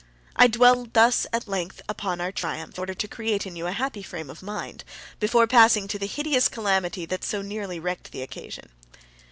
I dwell thus at length upon our triumph, in order to create in you a happy frame of mind, before passing to the higeous calamity that so nearly wrecked the occasion.